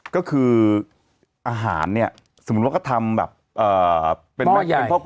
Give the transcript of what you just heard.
ก็คืออาหารนี่สมมุติว่าก็ทำแบบ